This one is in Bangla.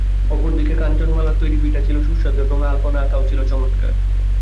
অপর দিকে কাঞ্চনমালার তৈরি পিঠা ছিল সুস্বাদু এবং আলপনা আঁকাও ছিল চমৎকার।